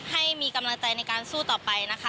ให้มีกำลังใจในการสู้ต่อไปนะคะ